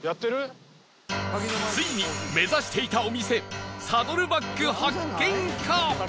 ついに目指していたお店サドルバック発見か？